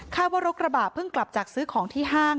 ว่ารถกระบะเพิ่งกลับจากซื้อของที่ห้าง